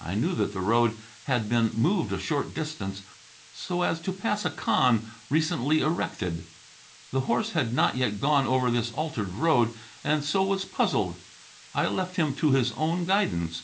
I knew that the road had been moved a short distance so as to pass a khan recently erected. The horse had not yet gone over this altered road and so was puzzled. I left him to his own guidance.